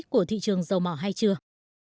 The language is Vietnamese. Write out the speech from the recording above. của thị trường dầu mỏ hay chưa